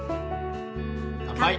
乾杯！